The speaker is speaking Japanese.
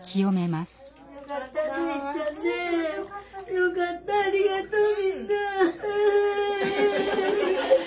よかったありがとうみんな。